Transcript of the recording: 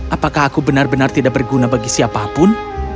apakah aku benar benar tidak berguna bagi siapapun